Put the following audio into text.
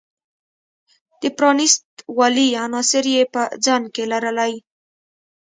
د پرانیست والي عناصر یې په ځان کې لرلی.